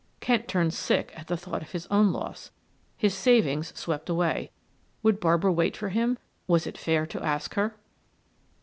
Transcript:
Kent turned sick at the thought of his own loss his savings swept away. Would Barbara wait for him was it fair to ask her?